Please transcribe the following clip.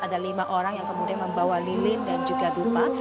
ada lima orang yang kemudian membawa lilin dan juga dupa